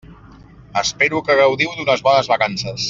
Espero que gaudiu d'unes bones vacances.